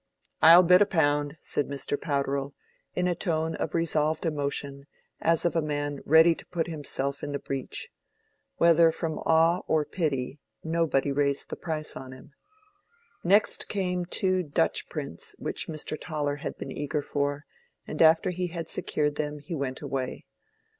"I'll bid a pound!" said Mr. Powderell, in a tone of resolved emotion, as of a man ready to put himself in the breach. Whether from awe or pity, nobody raised the price on him. Next came two Dutch prints which Mr. Toller had been eager for, and after he had secured them he went away.